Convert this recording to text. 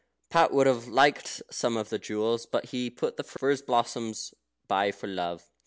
Pat would have liked some of the jewels, but he put the furze blossoms by for love.